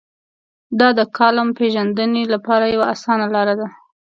دا د کالم پېژندنې لپاره یوه اسانه لار ده.